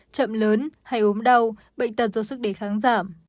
chậm lớn hay ốm đau bệnh tật do sức đề kháng giảm